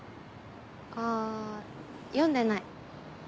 あ読んでない。